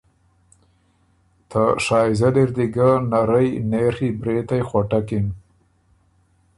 ته شائزل اِر دی ګه نرئ نېڒه برېتئ خؤټکِن۔